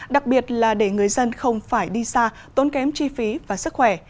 đặc biệt là để người dân không phải đi xa tốn kém chi phí và sức khỏe